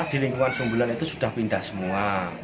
di lingkungan sumbulan itu sudah pindah semua